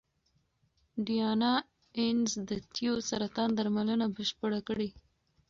ډیانا اینز د تیو سرطان درملنه بشپړه کړې.